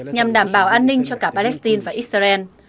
nhằm đảm bảo an ninh cho cả palestine và israel